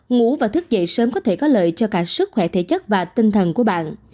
ngũ và thức dậy sớm có thể có lợi cho cả sức khỏe thể chất và tinh thần của bạn